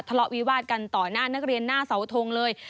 ทะเลาะวิวาดกันต่อหน้านักเรียนหน้าเสาทงเลย